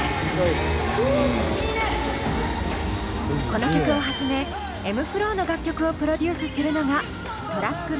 この曲をはじめｍ−ｆｌｏの楽曲をプロデュースするのがあ大好き。